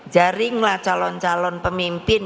jaringlah calon calon pemimpin